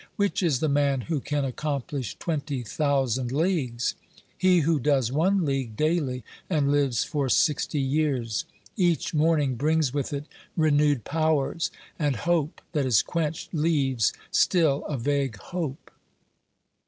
Which is the man who can accomplish twenty thousand leagues? He who does one league daily and lives for sixty years. Each morning brings with it renewed powers, and hope that is quenched leaves still a vague hope.